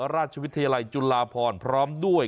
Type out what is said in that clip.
ราชวิทยาลัยจุฬาพรพร้อมด้วย